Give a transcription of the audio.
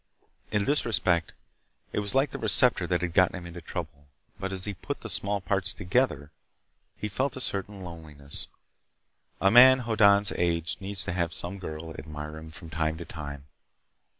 In this respect it was like the receptor that had gotten him into trouble. But as he put the small parts together, he felt a certain loneliness. A man Hoddan's age needs to have some girl admire him from time to time.